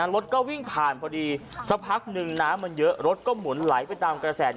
รถก็วิ่งผ่านพอดีสักพักหนึ่งน้ำมันเยอะรถก็หมุนไหลไปตามกระแส